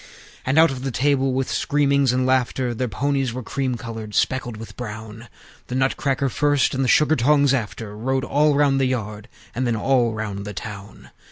And out of the stable, with screamings and laughter (Their ponies were cream colored, speckled with brown), The Nutcrackers first, and the Sugar tongs after; Rode all round the yard, and then all round the town.